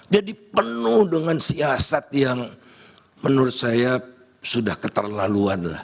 jadi penuh dengan siasat yang menurut saya sudah keterlaluan lah